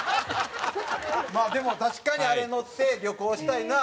まあでも確かにあれ乗って旅行したいのはわかる。